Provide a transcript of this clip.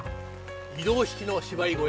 移動式の芝居小屋